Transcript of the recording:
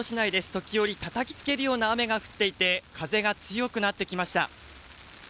時折、たたきつけるような雨が降っていて、風が強くなってきました。